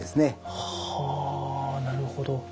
はぁなるほど。